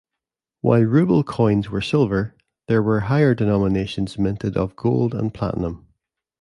While ruble coins were silver, there were higher denominations minted of gold and platinum.